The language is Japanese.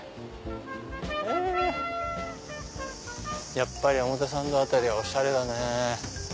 やっぱり表参道辺りはおしゃれだね。